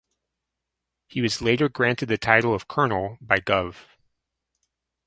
He was later granted the title of "Colonel" by Gov.